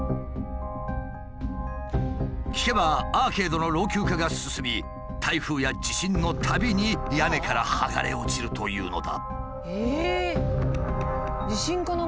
聞けばアーケードの老朽化が進み台風や地震のたびに屋根から剥がれ落ちるというのだ。